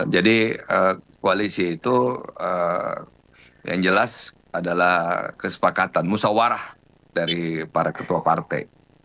jadi koalisi itu yang jelas adalah kesepakatan musawarah dari para ketua partai